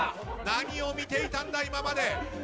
何を見ていたんだ、今まで！